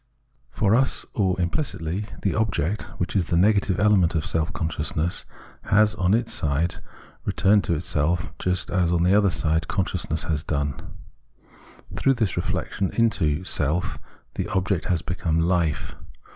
For us or impUcitly, the object, which is the negative element for self consciousness, has on its side returned into itself, just as on the other side consciousness has done. Through this reflexion into self, the object has become Life.